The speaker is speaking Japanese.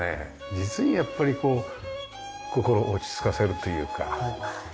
実にやっぱりこう心落ち着かせるというか。